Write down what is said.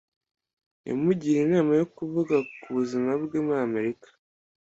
Yamugiriye inama yo kuvuga ku buzima bwe muri Amerika.